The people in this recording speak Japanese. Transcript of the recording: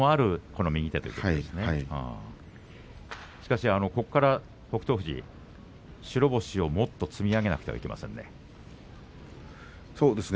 しかし、ここから北勝富士白星をもっと積み上げなくてはいけませんね。